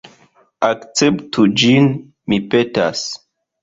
Akceptu ĝin, mi petas!